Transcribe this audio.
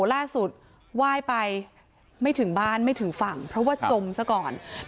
ล่าสุดไหว้ไปไม่ถึงบ้านไม่ถึงฝั่งเพราะว่าจมซะก่อน